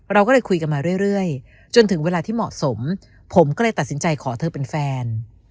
เราก็เลยคุยกันมาเรื่อยจนถึงเวลาที่เหมาะสมผมก็เลยตัดสินใจขอเธอเป็นแฟน